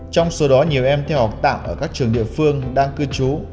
trong số đó nhiều em theo học tạm ở các trường địa phương đang cư trú